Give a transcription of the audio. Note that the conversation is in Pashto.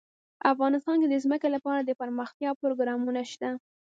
افغانستان کې د ځمکه لپاره دپرمختیا پروګرامونه شته.